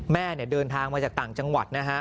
เดินทางมาจากต่างจังหวัดนะฮะ